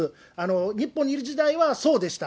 日本にいる時代はそうでした。